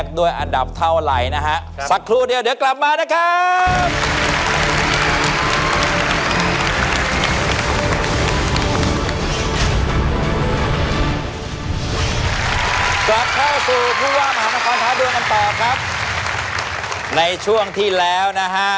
ก่อนเข้าสู่พี่ว่ามาข้อมันคร้าดูกันต่อครับในช่วงที่แล้วนะฮะ